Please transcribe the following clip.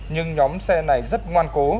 nhưng nhóm xe này rất ngoan cố